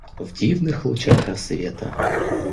В дивных лучах рассвета.